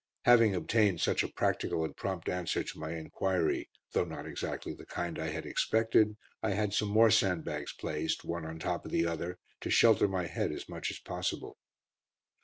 Having obtained such a practical and prompt answer to my enquiry, though not exactly the kind I had expected, I had some more sandbags placed, one on top of the other, to shelter my head as much as possible.